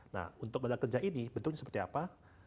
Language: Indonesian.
nah untuk modal kerja ini bentuknya seperti apa